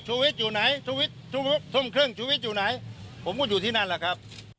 ก็ทำหน้าที่สื่อมวลชนนะคะ